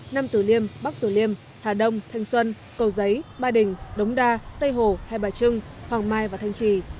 nam tử liêm bắc tử liêm hà đông thanh xuân cầu giấy ba đình đống đa tây hồ hai bà trưng hoàng mai và thanh trì